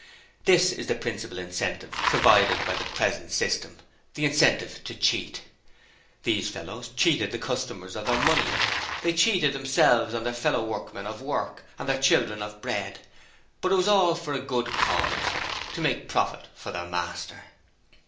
This is the principal incentive provided by the present system, the incentive to cheat. These fellows cheated the customers of their money. They cheated themselves and their fellow workmen of work, and their children of bread, but it was all for a good cause to make profit for their master.